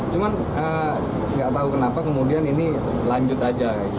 cuman gak tau kenapa kemudian ini lanjut aja